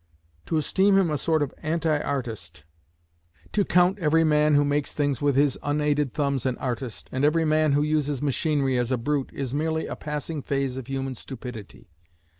To esteem him a sort of anti artist, to count every man who makes things with his unaided thumbs an artist, and every man who uses machinery as a brute, is merely a passing phase of human stupidity.